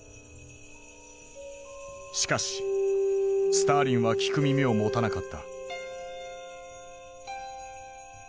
しかしスターリンは聞く耳を持たなかった。